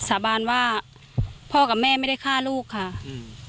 สาบานว่าพ่อกับแม่ไม่ได้ฆ่าลูกค่ะอืม